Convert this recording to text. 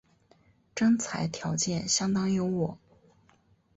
征才条件相当优渥